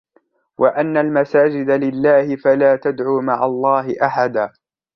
وَأَنَّ الْمَسَاجِدَ لِلَّهِ فَلَا تَدْعُوا مَعَ اللَّهِ أَحَدًا